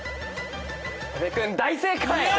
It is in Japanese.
阿部君大正解！